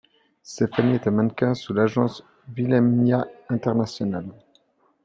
Stefanie est un mannequin sous l'agence Wilhelmina International.